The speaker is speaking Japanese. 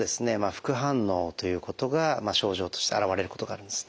副反応ということが症状として現れることがあるんですね。